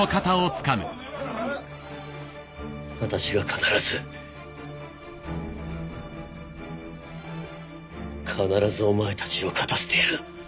必ずお前たちを勝たせてやる。